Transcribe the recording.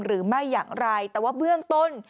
หรือไม่อย่างไรแต่ว่าเบื้องต้น